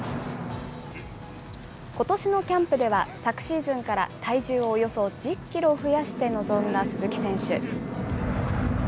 ことしのキャンプでは、昨シーズンから体重をおよそ１０キロ増やして臨んだ鈴木選手。